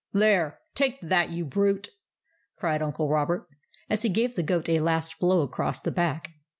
" There ! take that, you brute !" cried Uncle Robert, as he gave the goat a last blow across the back.